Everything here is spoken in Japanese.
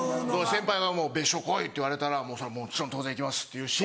先輩が「別所来い」って言われたら当然「行きます」って言うし。